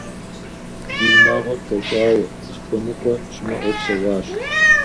Ди унагъуэр хуэщӀауэ, зыхуэныкъуэ щымыӀэу псэуащ.